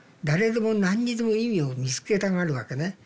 誰でも何にでも意味を見つけたがるわけね。